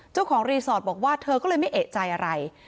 เจ้าของรีสอร์ทบอกว่าเธอก็เลยไม่เอกใจอะไร